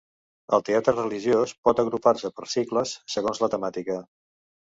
El teatre religiós pot agrupar-se per cicles, segons la temàtica.